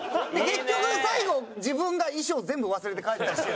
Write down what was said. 結局最後自分が衣装全部忘れて帰ってましたけど。